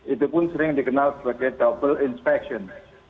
itu pun sering dikenal sebagai double inspection